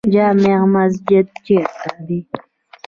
جامع مسجد چیرته دی؟